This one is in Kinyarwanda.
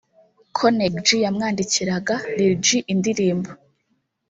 ko Neg G yamwandikiraga [Lil G]indirimbo’’